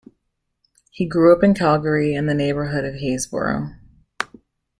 He grew up in Calgary in the neighbourhood of Haysboro.